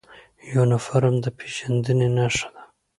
یونفورم د پیژندنې نښه ده